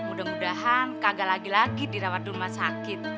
mudah mudahan kagak lagi lagi dirawat di rumah sakit